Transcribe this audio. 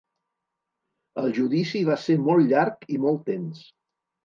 El judici va ser molt llarg i molt tens.